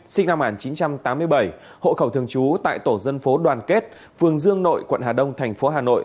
sinh năm một nghìn chín trăm tám mươi bảy hộ khẩu thường trú tại tổ dân phố đoàn kết phường dương nội quận hà đông thành phố hà nội